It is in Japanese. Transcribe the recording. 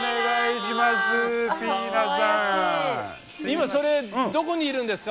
今それどこにいるんですか？